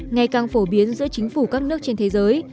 ngày càng phổ biến giữa chính phủ các nước trên thế giới